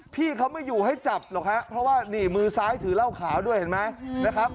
พี่เขาไม่อยู่ให้จับหรอกฮะเพราะมือซ้ายถือเล่าขาด้วยเห็นไหม